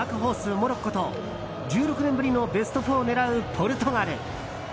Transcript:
モロッコと１６年ぶりのベスト４を狙うポルトガル。